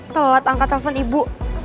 telat angkat telpon ibu